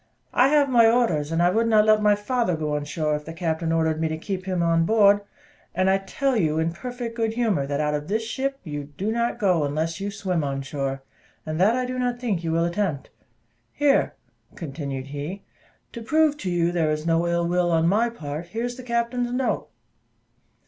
I have my orders, and I would not let my father go on shore, if the captain ordered me to keep him on board; and I tell you, in perfect good humour, that out of this ship you do not go, unless you swim on shore, and that I do not think you will attempt. Here," continued he, "to prove to you there is no ill will on my part, here is the captain's note."